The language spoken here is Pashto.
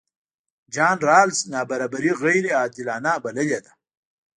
جان رالز نابرابري غیرعادلانه بللې ده.